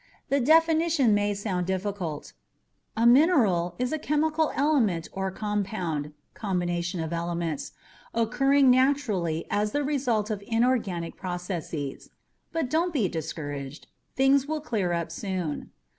The definition may sound difficult a mineral is a chemical element or compound (combination of elements) occurring naturally as the result of inorganic processes. But don't be discouraged. Things will clear up soon.